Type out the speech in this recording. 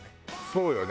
そうよね。